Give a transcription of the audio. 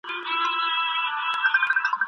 ګیلې دې ځار شم «ګیله منه» یاره